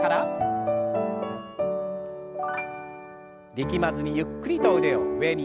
力まずにゆっくりと腕を上に。